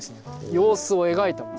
様子を描いたもの。